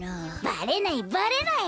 バレないバレない。